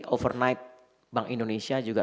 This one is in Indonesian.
overnight bank indonesia juga